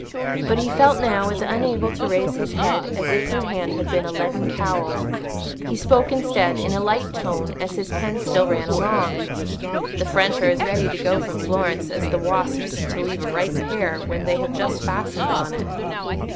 But he felt now as unable to raise his head as if her hand had been a leaden cowl. He spoke instead, in a light tone, as his pen still ran along. "The French are as ready to go from Florence as the wasps to leave a ripe pear when they have just fastened on it."